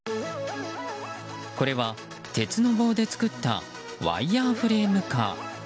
これは鉄の棒で作ったワイヤーフレームカー。